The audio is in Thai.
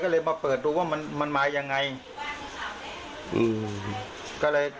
ก็เลยมาเปิดดูว่ามันมายังไงอืม